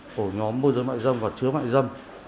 của nhóm bộ dưới mại dâm và chứa mại dâm